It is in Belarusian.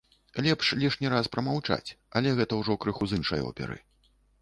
Лепш лішні раз прамаўчаць, але гэта ўжо крыху з іншай оперы.